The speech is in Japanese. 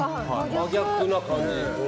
真逆な感じ。